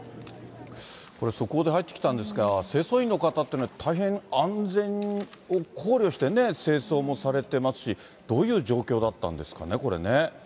これ、速報で入ってきたんですが、清掃員の方っていうのは大変安全を考慮して、清掃もされてますし、どういう状況だったんですかね、これね。